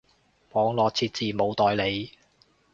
網路設置冇代理